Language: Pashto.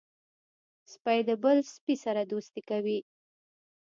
سپي د بل سپي سره دوستي کوي.